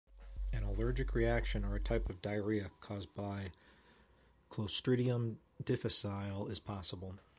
An allergic reaction or a type of diarrhea caused by "Clostridium difficile" is possible.